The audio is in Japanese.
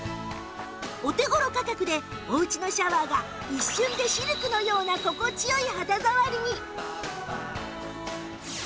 お手頃価格でおうちのシャワーが一瞬でシルクのような心地良い肌触りに